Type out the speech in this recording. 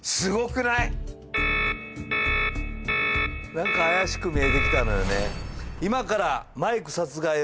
何か怪しく見えてきたのよね。